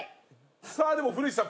さあでも古市さん